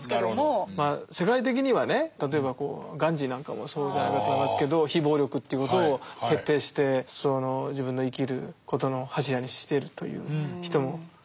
世界的にはね例えばガンディーなんかもそうじゃないかと思いますけど非暴力っていうことを徹底して自分の生きることの柱にしているという人もいるわけですよね。